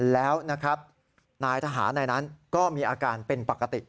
แล้วนะครับนายทหารในนั้นก็มีอาการเป็นปกติ